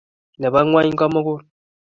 Ne bo ng'ony ko-mugul.